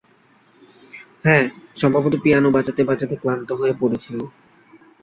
হ্যাঁ, সম্ভবত পিয়ানো বাজাতে বাজাতে ক্লান্ত হয়ে পড়েছে ও।